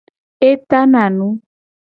E tana nu.